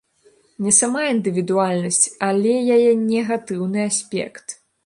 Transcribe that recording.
Не сама індывідуальнасць, але яе негатыўны аспект.